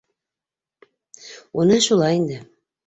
Уныһы шулай инде...